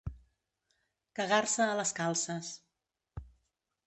Cagar-se a les calces.